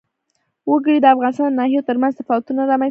وګړي د افغانستان د ناحیو ترمنځ تفاوتونه رامنځ ته کوي.